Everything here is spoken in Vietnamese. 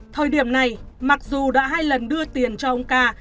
thời điểm này mặc dù đã hai lần đưa tiền cho ông ca